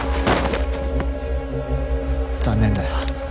残念だよ。